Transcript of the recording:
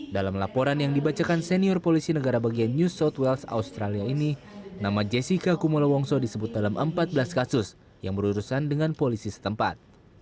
dalam laporan yang dibacakan senior polisi negara bagian new south wales australia ini nama jessica kumolo wongso disebut dalam empat belas kasus yang berurusan dengan polisi setempat